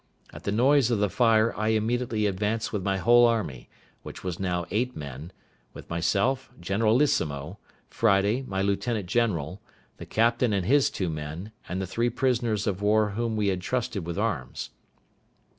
At the noise of the fire I immediately advanced with my whole army, which was now eight men, viz. myself, generalissimo; Friday, my lieutenant general; the captain and his two men, and the three prisoners of war whom we had trusted with arms.